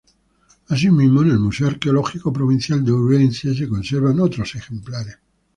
Así mismo en el Museo Arqueológico Provincial de Orense se conservan otros ejemplares.